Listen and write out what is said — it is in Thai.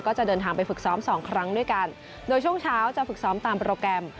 จะเดินทางไปฝึกซ้อมสองครั้งด้วยกันโดยช่วงเช้าจะฝึกซ้อมตามโปรแกรม